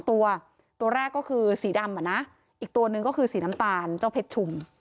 ตัวตัวแรกก็คือสีดำอ่ะนะอีกตัวหนึ่งก็คือสีน้ำตาลเจ้าเพชรชุม